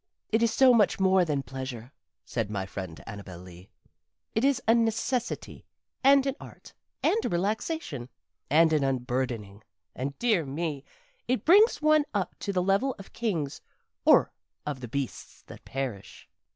"It is so much more than pleasure," said my friend Annabel Lee. "It is a necessity and an art and a relaxation and an unburdening and, dear me, it brings one up to the level of kings or of the beasts that perish.